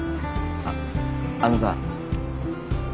あっあのさ